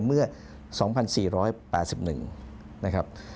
เมื่อ๒๔๘๑นะครับ